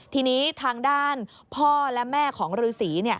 ทีนี้ทางด้านพ่อและแม่ของฤษี